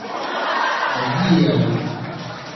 Adiaŭ!